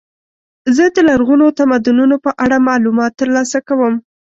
زه د لرغونو تمدنونو په اړه معلومات ترلاسه کوم.